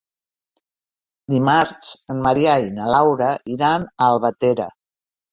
Dimarts en Maria i na Laura iran a Albatera.